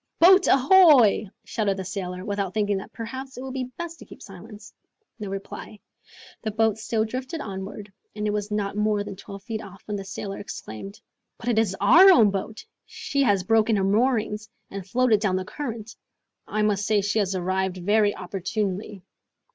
"Boat ahoy!" shouted the sailor, without thinking that perhaps it would be best to keep silence. No reply. The boat still drifted onward, and it was not more than twelve feet off, when the sailor exclaimed, "But it is our own boat! she has broken her moorings, and floated down the current. I must say she has arrived very opportunely."